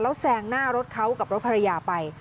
แล้วแซงหน้ารถเขากับรถภรรยาไป